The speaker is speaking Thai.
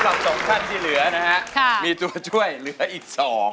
รอดหมดไปเลยสำหรับ๒ท่านที่เหลือนะฮะมีตัวช่วยเหลืออีก๒